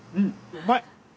うまい。